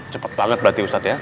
cepat banget berarti ustadz ya